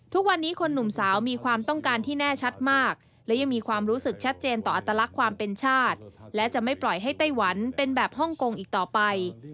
ทุกวันนี้คนหนุ่มสาวมีความต้องการที่แน่ชัดมากและยังมีความรู้สึกชัดเจนต่ออัตลักษณ์ความเป็นชาติและจะไม่ปล่อยให้ไต้หวันเป็นแบบฮ่องกงอีกต่อไป